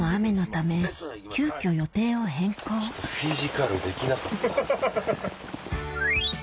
フィジカルできなかったっすね。